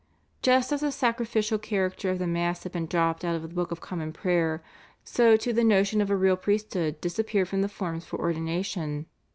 Just as the sacrificial character of the Mass had been dropped out of the Book of Common Prayer, so too the notion of a real priesthood disappeared from the forms for ordination.